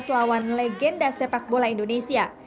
u enam belas lawan legenda sepak bola indonesia